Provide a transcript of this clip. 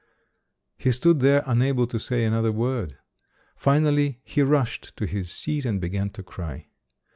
He stood there unable to say another word. Finally he rushed to his seat and began to cry.